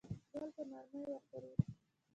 ګل په نرمۍ وښورېد.